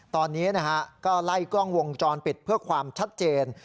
ตอนนี้นะฮะก็ไล่กล้องวงจรปิดเพื่อความชัดเจน